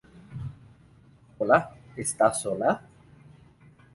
Hola, ¿estás sola?